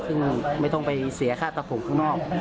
ซึ่งไม่ต้องไปเสียค่าตัดผมข้างนอก